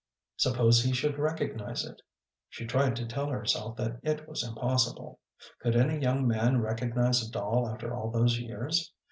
Suppose he should recognize it? She tried to tell herself that it was impossible. Could any young man recognize a doll after all those years?